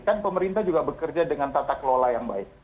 kan pemerintah juga bekerja dengan tata kelola yang baik